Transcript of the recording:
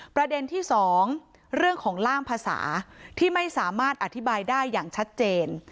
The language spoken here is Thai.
ประเด็นที่๒เรื่องของล่างภาษาที่ไม่สามารถอธิบายได้อย่างชัดเจน